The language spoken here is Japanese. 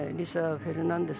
フェルナンデス